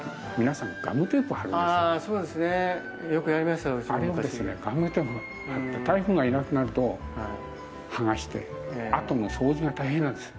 あれをガムテープ貼って台風がいなくなると剥がしてあとの掃除が大変なんです。